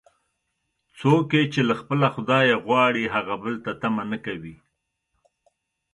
څوک یې چې له خپله خدایه غواړي، هغه بل ته طمعه نه کوي.